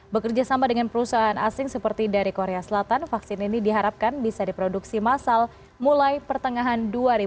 bekerja sama dengan perusahaan asing seperti dari korea selatan vaksin ini diharapkan bisa diproduksi massal mulai pertengahan dua ribu dua puluh